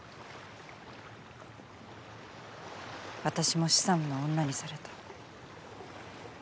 私もシサムの女にされた。